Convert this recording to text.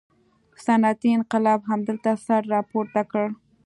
صنعتي انقلاب همدلته سر راپورته کړ.